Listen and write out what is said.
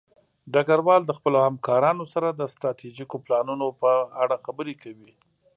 ډګروال د خپلو همکارانو سره د ستراتیژیکو پلانونو په اړه خبرې کوي.